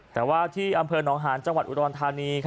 แต่ว่าที่อำเภอหนองหาญจังหวัดอุดรธานี